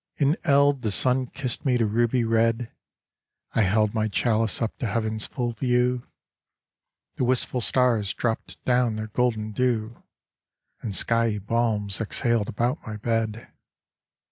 In eld the sun kissed me to ruby red, I held my chalice up to heaven's full view, The wistful stars dropt down their golden dew, And skyey balms exhaled about my bed.